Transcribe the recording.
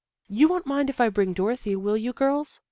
" You won't mind if I bring Dorothy, will you, girls?